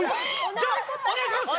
じゃあお願いします！